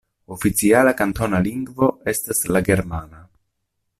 Oficiala kantona lingvo estas la germana.